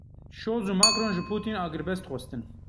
Scholz û Macron ji Putîn agirbest xwestin.